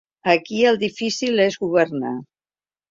Aquí el difícil és governar.